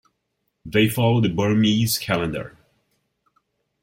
They follow the Burmese calendar.